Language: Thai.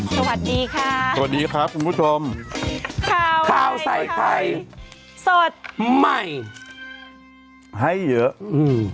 สวัสดีค่ะสวัสดีครับคุณผู้ชมข่าวใส่ไข่สดใหม่ให้เยอะอืม